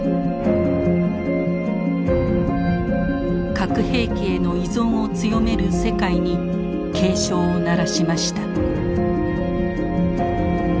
核兵器への依存を強める世界に警鐘を鳴らしました。